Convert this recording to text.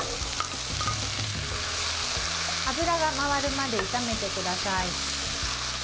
油が回るまで炒めてください。